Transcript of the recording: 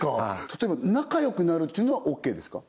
例えば仲良くなるっていうのはＯＫですか？